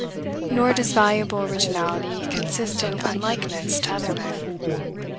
Nor does valuable originality consist in unlikeness to other men.